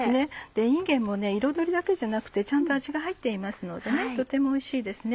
いんげんも彩りだけじゃなくてちゃんと味が入っていますのでとてもおいしいですね。